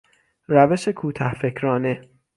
روش کوته فکرانه